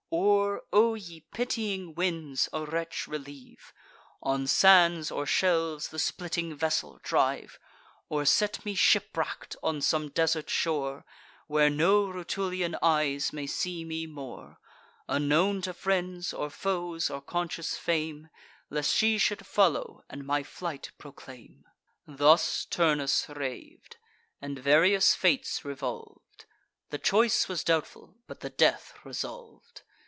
Or, O ye pitying winds, a wretch relieve! On sands or shelves the splitting vessel drive; Or set me shipwreck'd on some desert shore, Where no Rutulian eyes may see me more, Unknown to friends, or foes, or conscious Fame, Lest she should follow, and my flight proclaim." Thus Turnus rav'd, and various fates revolv'd: The choice was doubtful, but the death resolv'd.